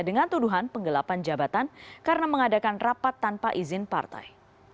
dengan tuduhan penggelapan jabatan karena mengadakan rapat tanpa izin partai